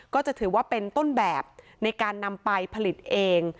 ก็จะถือว่าเป็นต้นแบบในการนำไปผลิตเอง